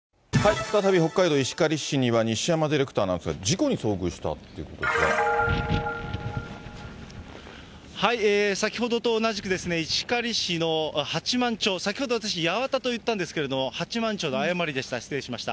再び北海道石狩市には西山ディレクターなんですが、事故に遭先ほどと同じく、石狩市の八幡町、先ほど、私、やわたと言ったんですけれども、八幡町の誤りでした、失礼しました。